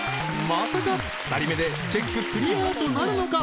まさか２人目でチェッククリアとなるのか？